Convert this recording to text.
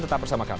tetap bersama kami